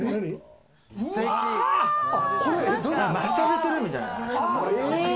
マスターベッドルームじゃない？